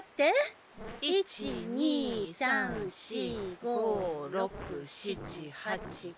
１２３４５６７８９。